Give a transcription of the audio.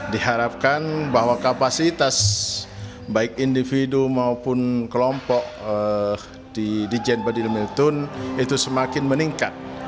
diharapkan bahwa kapasitas baik individu maupun kelompok di dijen badil meetun itu semakin meningkat